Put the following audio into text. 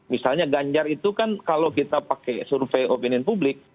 misalnya ganjar itu kan kalau kita pakai survei opinion publik